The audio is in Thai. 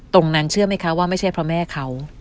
เชื่อไหมคะว่าไม่ใช่เพราะแม่เขา